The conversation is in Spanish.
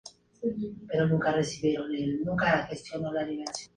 Es un líquido con un color entre amarillo pálido y ámbar.